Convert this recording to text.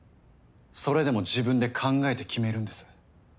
それでも自分で考えて決めるんです。